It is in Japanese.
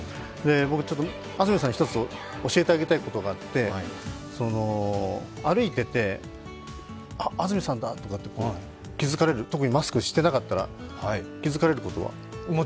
僕、安住さんに１つ教えてあげたいことがあって、歩いてて、あっ、安住さんだって気づかれる、特にマスクしてなかったら気づかれることありますか？